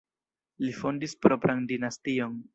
Li fondis propran dinastion.